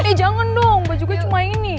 eh jangan dong bajuku cuma ini